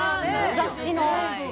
雑誌の。